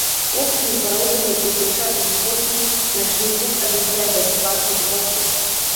Хлопцам з бародамі ды дзяўчатам з косамі начны клуб абяцае бясплатны ўваход.